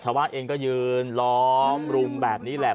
ชาวบ้านญาติโปรดแค้นไปดูภาพบรรยากาศขณะ